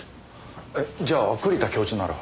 えっじゃあ栗田教授なら。